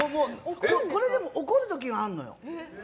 これでも怒る時があるのよ。